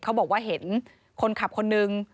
เขาบอกว่าเห็นคนขับคนนึง